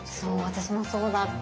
私もそうだった。